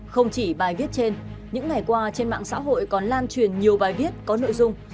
không chỉ bài viết trên những ngày qua trên mạng xã hội còn lan truyền nhiều bài viết có nội dung